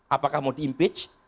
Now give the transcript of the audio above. apakah mau di impeach